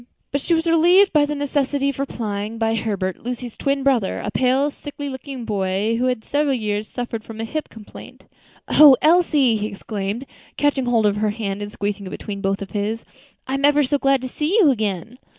But she was relieved from the necessity of replying by Herbert, Lucy's twin brother, a pale, sickly looking boy, who had for several years been a sufferer from hip complaint. "O Elsie!" he exclaimed, catching hold of her hand and squeezing it between both of his, "I'm ever so glad to see you again."